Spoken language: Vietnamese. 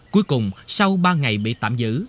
cuối cùng sau ba ngày bị tạm giữ